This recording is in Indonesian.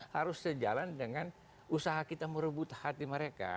harus sejalan dengan usaha kita merebut hati mereka